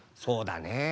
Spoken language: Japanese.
そうだね。